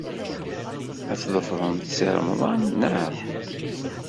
Ad tḍefremt Si Remḍan, naɣ?